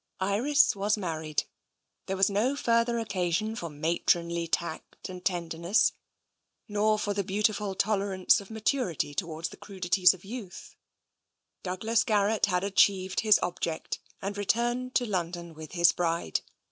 Iris was married. There was no further occasion for matronly tact and tenderness, nor for the beautiful tolerance of maturity towards the crudities of youth. TENSION 223 Douglas Garrett had achieved his object, and re turned to London with his bride.